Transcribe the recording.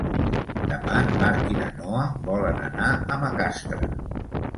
Demà en Marc i na Noa volen anar a Macastre.